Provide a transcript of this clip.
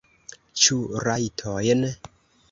Ĉu ratojn?